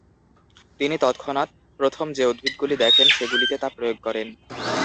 তিনি তৎক্ষণাত প্রথম যে উদ্ভিদগুলি দেখেন সেগুলিতে তা প্রয়োগ করেন।